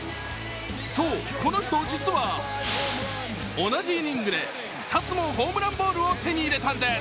そう、この人実は同じイニングで２つもホームランボールを手に入れたんです。